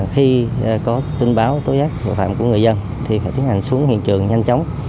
khi có tin báo tố giác tội phạm của người dân thì phải tiến hành xuống hiện trường nhanh chóng